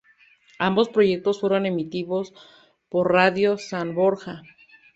Ambos proyectos fueron emitidos por Radio San Borja.